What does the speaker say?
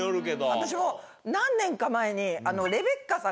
私も何年か前に。